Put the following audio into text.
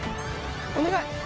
お願い！